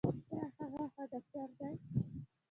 ایا هغه ښه ډاکټر دی؟